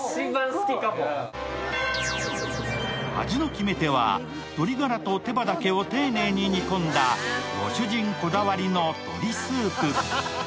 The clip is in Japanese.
味の決め手は鶏ガラと手羽だけを丁寧に煮込んだご主人こだわりの鶏スープ。